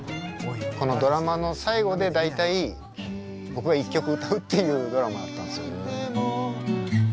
このドラマの最後で大体僕が１曲歌うっていうドラマだったんですよ。